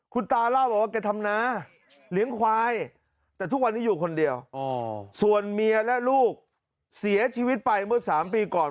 คุณตาเล่าบอกว่าแกทำนาเลี้ยงควายแต่ทุกวันนี้อยู่คนเดียวส่วนเมียและลูกเสียชีวิตไปเมื่อ๓ปีก่อน